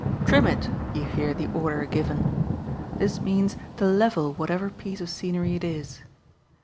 "Trim it," you hear the order given. This means to "level" whatever piece of scenery it is.